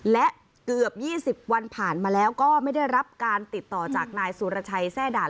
และเกือบ๒๐วันผ่านมาแล้วก็ไม่ได้รับการติดต่อจากนายสุรชัยแทร่ด่าน